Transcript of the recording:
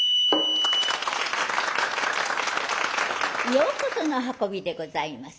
ようこその運びでございます。